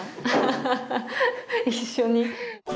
ハハハハ一緒に。